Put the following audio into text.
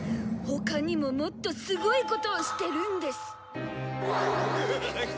他にももっとすごいことをしてるんです。